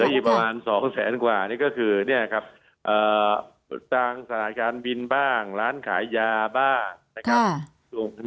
ที่เหลือประมาณสองแสนกว่านี้ก็คือเนี่ยนะครับตั้งสถานการณ์บินบ้างร้านขายยาบ้านนะครับ